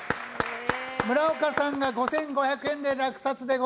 村岡さんが５５００円で落札でございます。